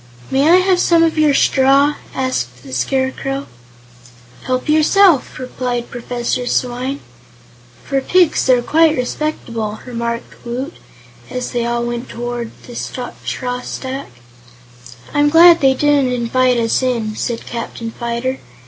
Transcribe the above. "May I have some of your straw?" asked the Scarecrow. "Help yourself," replied Professor Swyne. "For pigs, they're quite respectable," remarked Woot, as they all went toward the straw stack. "I'm glad they didn't invite us in," said Captain Fyter.